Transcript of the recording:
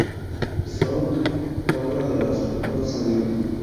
Son obra del escultor Sanguino.